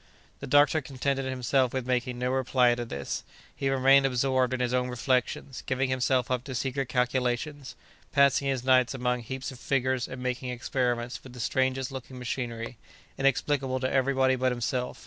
The doctor contented himself with making no reply to this. He remained absorbed in his own reflections, giving himself up to secret calculations, passing his nights among heaps of figures, and making experiments with the strangest looking machinery, inexplicable to everybody but himself.